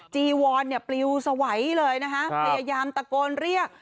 จีวอนเนี่ยปลิวสวัยเลยนะคะพยายามตะโกนเรียก